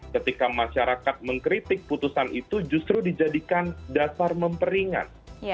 ketika masyarakat mengkritik putusan itu justru dijadikan dasar memperingat